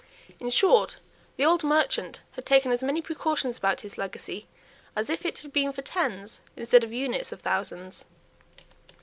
In short, the old merchant had taken as many precautions about his legacy as if it had been for tens, instead of units of thousands.